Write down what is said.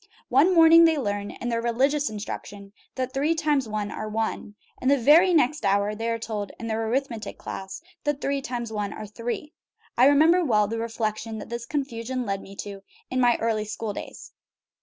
One morning they learn (in their religious instruction) that three times one are one, and the very next hour they are told in their arithmetic class that three times one are three. I remember well the reflection that this confusion led me to in my early school days.